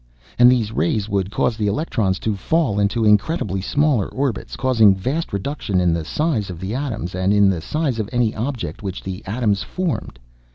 "And these rays would cause the electrons to fall into incredibly smaller orbits, causing vast reduction in the size of the atoms, and in the size of any object which the atoms formed.